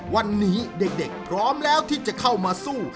วันนี้เด็กพร้อมแล้วที่จะเข้ามาสู้